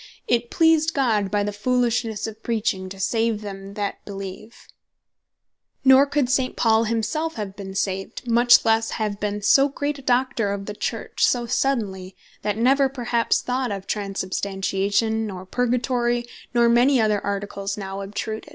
"It pleased God by the Foolishnesse of preaching, to save them that beleeve:" Nor could St. Paul himself have been saved, much lesse have been so great a Doctor of the Church so suddenly, that never perhaps thought of Transsubstantiation, nor Purgatory, nor many other Articles now obtruded.